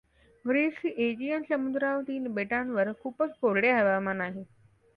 ग्रीसची Aegean समुद्रातील बेटांवर खूपच कोरडे हवामान आहे.